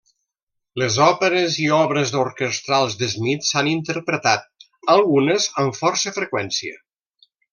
Les òperes i obres orquestrals de Smith s'han interpretat, algunes amb força freqüència.